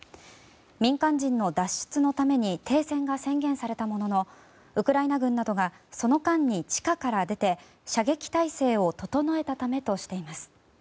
民間人の脱出のために停戦が宣言されたもののウクライナ軍などがその間に地下から出て射撃態勢を整えたためとしています。